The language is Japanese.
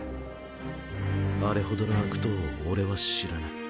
あれほどの悪党を俺は知らない。